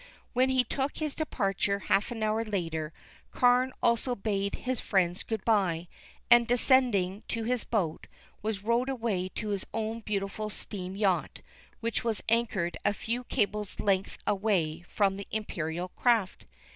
When he took his departure half an hour later, Carne also bade his friends good bye, and, descending to his boat, was rowed away to his own beautiful steam yacht, which was anchored a few cables' length away from the Imperial craft.